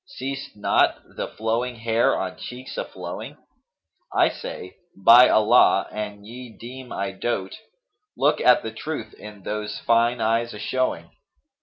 * Seest not the flowing hair on cheeks a flowing?' I say, 'By Allah, an ye deem I dote, * Look at the truth in those fine eyes a showing!